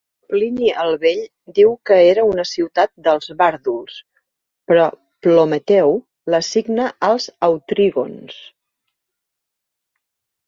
Plini el Vell diu que era una ciutat dels vàrduls, però Ptolemeu l'assigna als autrígons.